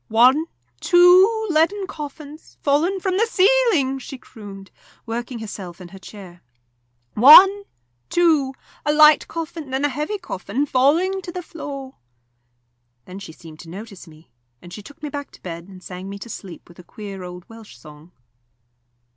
"One two leaden coffins, fallen from the ceiling!" she crooned, working herself in her chair. "One two a light coffin and a heavy coffin, falling to the floor!" Then she seemed to notice me, and she took me back to bed and sang me to sleep with a queer old Welsh song.